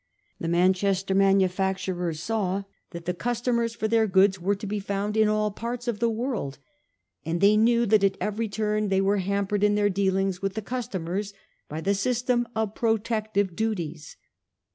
The Man chester manufacturers saw that the customers for their goods were to be found in all parts of the world ; and they knew that at eveiy turn they were hampered in their dealings with the customers by the system of protective duties.